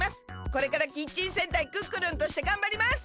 これからキッチン戦隊クックルンとしてがんばります！